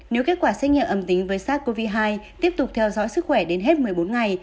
nếu kết quả xét nghiệm âm tính với sars cov hai tiếp tục theo dõi sức khỏe đến hết một mươi bốn ngày